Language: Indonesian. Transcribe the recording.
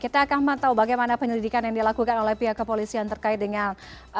kita akan mengetahui bagaimana penyelidikan yang dilakukan oleh pihak kepolisi yang terkait dengan